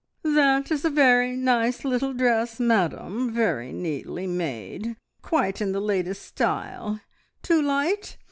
"That is a very nice little dress, madam, very neatly made quite in the latest style! Too light?